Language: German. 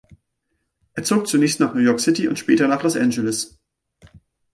Er zog zunächst nach New York City und später nach Los Angeles.